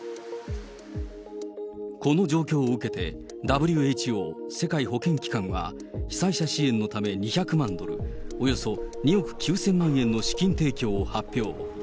この状況を受けて、ＷＨＯ・世界保健機関は、被災者支援のため２００万ドル、およそ２億９０００万円の資金提供を発表。